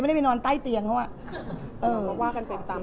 ยังไม่ได้ไปนอนใต้เตียงเพราะว่า